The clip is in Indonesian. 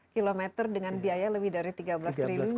empat belas enam kilometer dengan biaya lebih dari tiga belas triliun